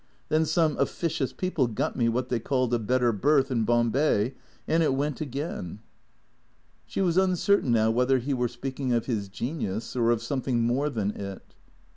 Then some officious people got me what they called a better berth in Bom bay; and it went again." 214 THE CREATORS She was uncertain now whether he were speaking of his genius, or of something more than it.